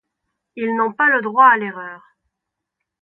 Ils n'ont pas le droit à l'erreur.